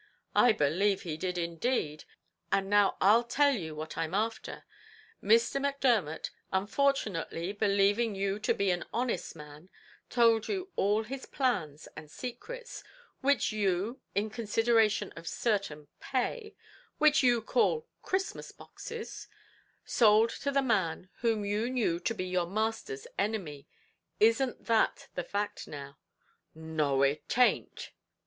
"I believe he did indeed; and now I'll tell you what I'm after. Mr. Macdermot, unfortunately believing you to be an honest man, told you all his plans and secrets, which you, in consideration of certain pay, which you call Christmas boxes, sold to the man whom you knew to be your master's enemy; isn't that the fact now?" "No, it a'nt."